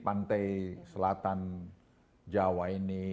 pantai selatan jawa ini